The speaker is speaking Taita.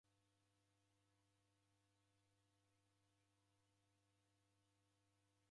Kwawe'enja baisikeli na iseghe nandighi